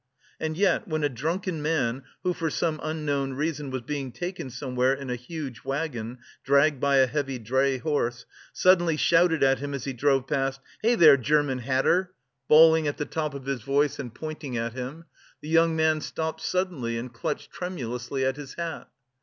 And yet when a drunken man who, for some unknown reason, was being taken somewhere in a huge waggon dragged by a heavy dray horse, suddenly shouted at him as he drove past: "Hey there, German hatter" bawling at the top of his voice and pointing at him the young man stopped suddenly and clutched tremulously at his hat.